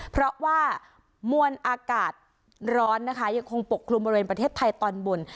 เพราะว่ามวลอากาศร้อนนะคะยังคงปกคลุมบริเวณประเทศไทยตอนบน